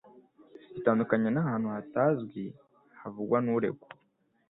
bitandukanye n'ahantu hatazwi havugwa n'uregwa.